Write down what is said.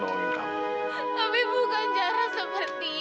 aku nggak mau kak